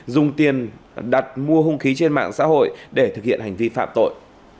dùng tiền đặt mua hung khí trên mạng xã hội để thực hiện hành vi phạm tội